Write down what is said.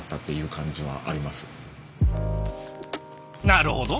なるほど。